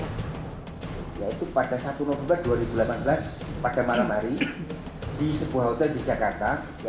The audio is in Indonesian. yaitu pada satu november dua ribu delapan belas pada malam hari di sebuah hotel di jakarta